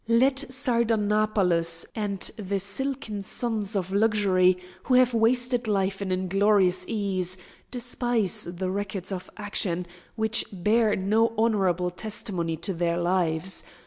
Let Sardanapalus and the silken sons of luxury, who have wasted life in inglorious ease, despise the records of action which bear no honourable testimony to their lives.